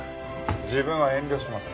自分は遠慮します。